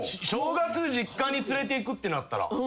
正月実家に連れていくってなったら。